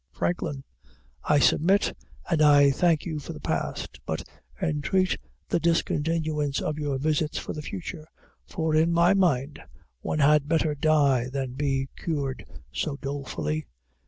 FRANKLIN. I submit, and thank you for the past, but entreat the discontinuance of your visits for the future; for, in my mind, one had better die than be cured so dolefully.